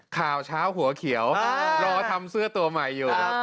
ข่าวเช้าหัวเขียวรอทำเสื้อตัวใหม่อยู่